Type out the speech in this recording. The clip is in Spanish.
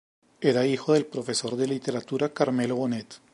Era hijo del profesor de literatura Carmelo Bonet.